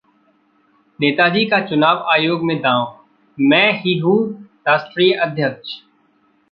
नेताजी का चुनाव आयोग में दांव, मैं ही हूं राष्ट्रीय अध्यक्ष